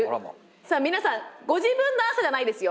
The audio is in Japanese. さあ皆さんご自分の朝じゃないですよ。